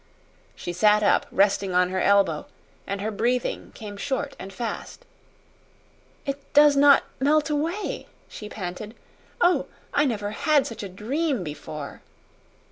She sat up, resting on her elbow, and her breathing came short and fast. "It does not melt away," she panted. "Oh, I never had such a dream before."